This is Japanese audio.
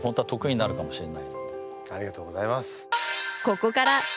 ありがとうございます。